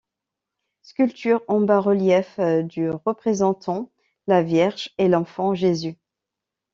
Sculpture en bas-relief du représentant la Vierge et l'Enfant Jésus.